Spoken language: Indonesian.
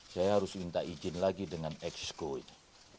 saya harus minta izin lagi dengan exco ini